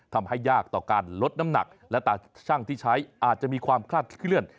ทำให้ยากต่อการลดน้ำหนักและตาช่างที่ใช้อาจจะมีความคลาดเคลื่อน